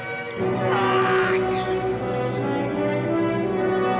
うわあ！